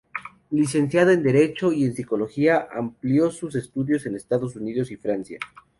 Licenciado en Derecho y en Psicología, amplió sus estudios en Estados Unidos y Francia.